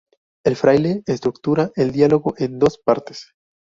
El fraile estructura el diálogo en dos partes.